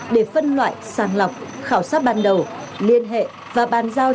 để phân loại sàng lọc khảo sát ban đầu liên hệ và bàn giao